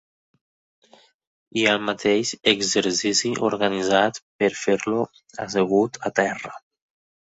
Hi ha el mateix exercici organitzat per fer-lo assegut a terra.